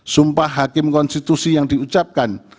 sumpah hakim konstitusi yang diucapkan